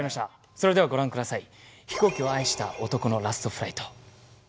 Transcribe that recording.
それではご覧下さい。